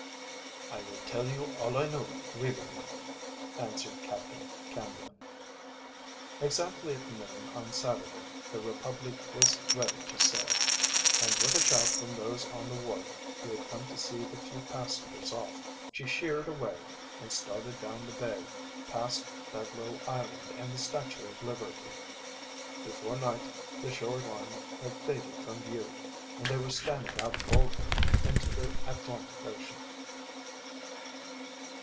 "I will tell you all I know willingly," answered Captain Cambion. Exactly at noon on Saturday the Republique was ready to sail, and with a shout from those on the wharf who had come to see the few passengers off, she sheered away and started down the bay, past Bedloe Island and the Statue of Liberty. Before night the shore line had faded from view, and they were standing out boldly into the Atlantic Ocean.